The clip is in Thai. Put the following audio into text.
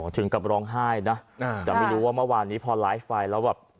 ถึงกับร้องไห้นะแต่ไม่รู้ว่าเมื่อวานนี้พอไลฟ์ไปแล้วแบบ